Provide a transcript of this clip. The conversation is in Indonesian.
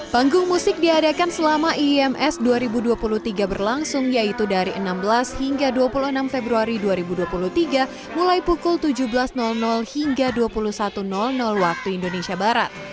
panggung musik diadakan selama ims dua ribu dua puluh tiga berlangsung yaitu dari enam belas hingga dua puluh enam februari dua ribu dua puluh tiga mulai pukul tujuh belas hingga dua puluh satu waktu indonesia barat